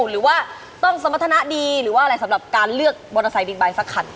หรือว่าต้องสมรรถนะดีหรือว่าอะไรสำหรับการเลือกมอเตอร์ไซค์บิ๊กไบท์สักคัน